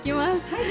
はい。